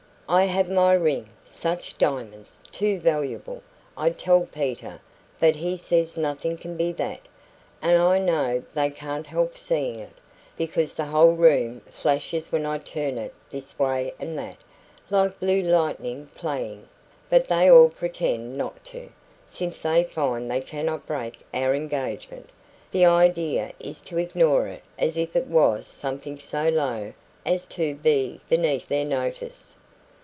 "I have my ring SUCH diamonds! too valuable, I tell Peter; but he says nothing can be that and I know they can't help seeing it, because the whole room flashes when I turn it this way and that, like blue lightning playing; but they all pretend not to. Since they find they cannot break our engagement, the idea is to ignore it as if it was something so low as to be beneath their notice.